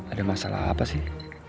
ada masalah apa sih